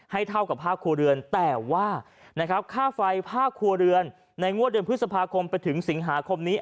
เท่ากับภาคครัวเรือนแต่ว่านะครับค่าไฟภาคครัวเรือนในงวดเดือนพฤษภาคมไปถึงสิงหาคมนี้